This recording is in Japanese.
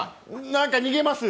なんか逃げます。